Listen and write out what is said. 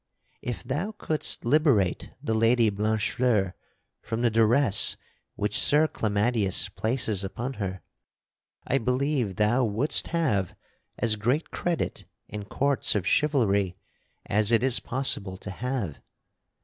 "If thou couldst liberate the Lady Blanchefleur from the duress which Sir Clamadius places upon her, I believe thou wouldst have as great credit in courts of chivalry as it is possible to have.